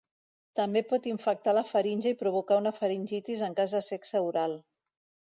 També pot infectar la faringe i provocar una faringitis en cas de sexe oral.